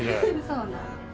そうなんです。